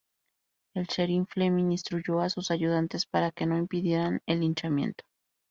El sheriff Fleming instruyó a sus ayudantes para que no impidieran el linchamiento.